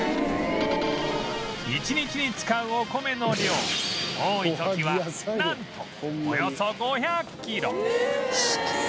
１日に使うお米の量多い時はなんとおよそ５００キロ！